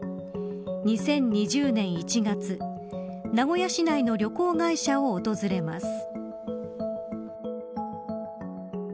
２０２０年１月名古屋市内の旅行会社を訪れます。